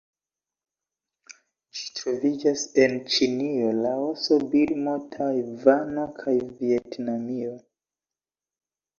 Ĝi troviĝas en Ĉinio, Laoso, Birmo, Tajvano kaj Vjetnamio.